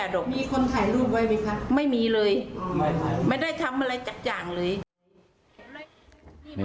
มีคนถ่ายรูปไว้ไหมคะไม่มีเลยไม่ได้ทำอะไรสักอย่างเลย